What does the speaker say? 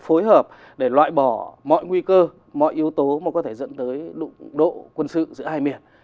phối hợp để loại bỏ mọi nguy cơ mọi yếu tố mà có thể dẫn tới đụng độ quân sự giữa hai miền